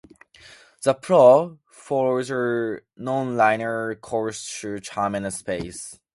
The plot follows a nonlinear course through time and space.